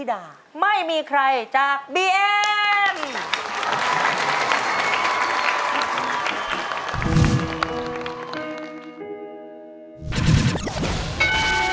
กับชีวิตที่อ่างว้างอิ่มได้